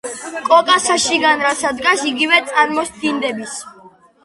კოკასა შიგან რაცა დგას, იგივე წარმოსდინდების!